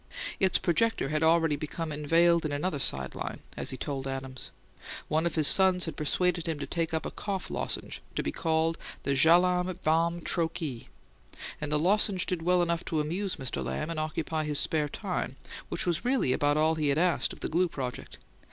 Its projector had already become "inveigled into another side line," as he told Adams. One of his sons had persuaded him to take up a "cough lozenge," to be called the "Jalamb Balm Trochee"; and the lozenge did well enough to amuse Mr. Lamb and occupy his spare time, which was really about all he had asked of the glue project.